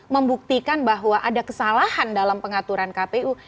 membuktikan bahwa ada kesalahan dalam pengaturan kpu